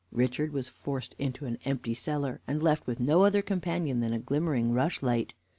Richard was forced into an empty cellar, and left with no other companion than a glimmering rushlight.